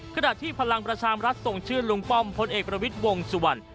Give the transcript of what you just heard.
ขณะที่พลังประชามรัฐส่งชื่อลุงป้อมพลเอกประวิทย์วงสุวรรณ